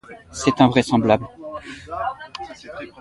C'est invraisemblable.